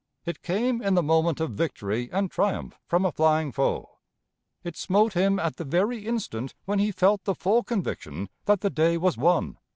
It came in the moment of victory and triumph from a flying foe. It smote him at the very instant when he felt the full conviction that the day was won."